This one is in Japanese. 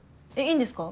いいんですか？